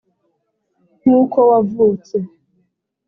nkuko wavutse